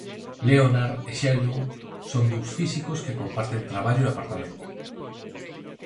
Leonard e Sheldon son dous físicos que comparten traballo e apartamento.